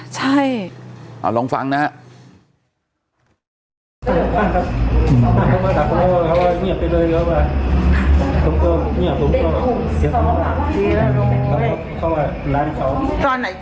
ใช่เอาลองฟังนะฮะ